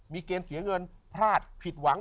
มีเกมเสียเงินพลาดผิดหวัง